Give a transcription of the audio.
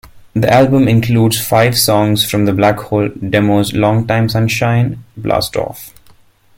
The album includes five "Songs From the Black Hole "demos: "Longtime Sunshine", "Blast Off!